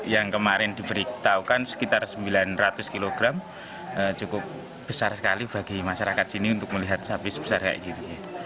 yang kemarin diberitahukan sekitar sembilan ratus kg cukup besar sekali bagi masyarakat sini untuk melihat sapi sebesar kayak gitu